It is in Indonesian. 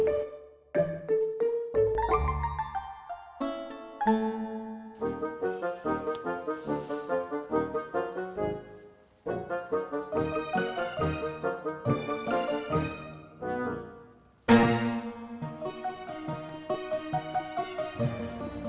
lalu dia bilang